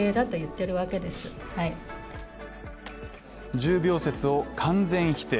重病説を完全否定。